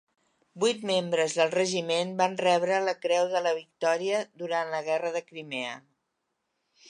Vuit membres del regiment van rebre la Creu de la Victòria durant la Guerra de Crimea.